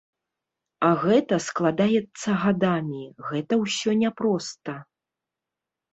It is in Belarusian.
А гэта складаецца гадамі, гэта ўсё не проста.